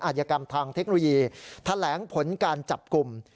ยกรรมทางเทคโนโลยีแถลงผลการจับกลุ่ม